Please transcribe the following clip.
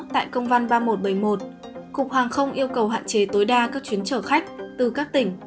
tại công văn ba nghìn một trăm bảy mươi một cục hàng không yêu cầu hạn chế tối đa các chuyến chở khách từ các tỉnh